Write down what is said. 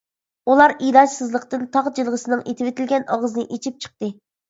ئۇلار ئىلاجسىزلىقتىن تاغ جىلغىسىنىڭ ئېتىۋېتىلگەن ئاغزىنى ئېچىپ چىقتى.